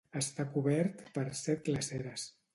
Està cobert per set glaceres.